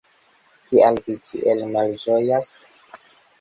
Kial vi tiel malĝojas?